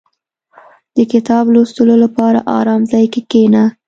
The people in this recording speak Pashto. • د کتاب لوستلو لپاره آرام ځای کې کښېنه.